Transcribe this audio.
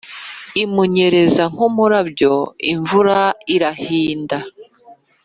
Imunyereza nk'umurabyo imvura irahinda